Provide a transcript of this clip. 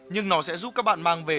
nhưng nó sẽ giúp các bạn mang về